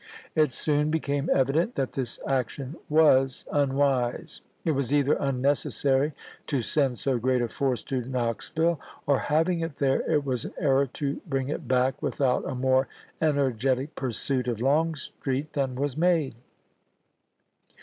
^ It soon became evident that this action was unwise. It was either unnecessary to send so great a force to Knoxville, or, having it there, it was an error to bring it back without a more energetic pursuit of Longstreet than was made.